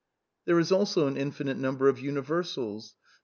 There is also an infinite number of '' universals," the